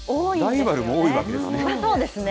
ライバルも多いわけですね。